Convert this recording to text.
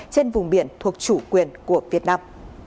trên vùng biển thuộc chủ quyền của việt nam